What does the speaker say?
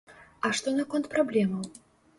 А што наконт праблемаў?